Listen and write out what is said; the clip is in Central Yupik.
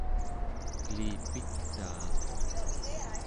kelipitaa